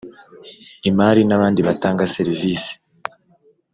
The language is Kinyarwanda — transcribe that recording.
imari n abandi batanga serivisi